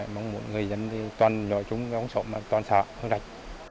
mong muốn người dân toàn nhỏ trúng cái ống sổ mà toàn sợ phương trạch